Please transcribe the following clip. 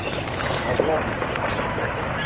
Могло би се.